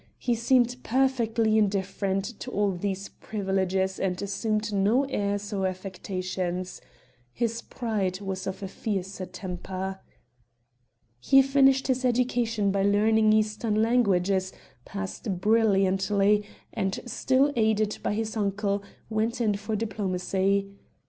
He seemed perfectly indifferent to all these privileges and assumed no airs or affectations. His pride was of a fiercer temper. He finished his education by learning eastern languages, passed brilliantly, and, still aided by his uncle, went in for diplomacy.